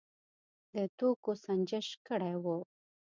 د توکو سنجش کړی و.